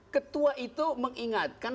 ketua itu mengingatkan